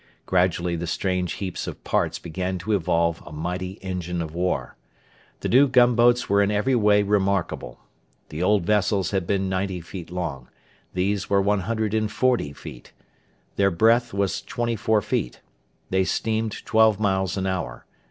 Gradually the strange heaps of parts began to evolve a mighty engine of war. The new gunboats were in every way remarkable. The old vessels had been 90 feet long. These were 140 feet. Their breadth was 24 feet. They steamed twelve miles an hour.